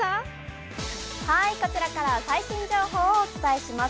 こちらからは最新情報をお伝えします。